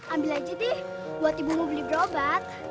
ambil aja deh buat ibu mau beli berobat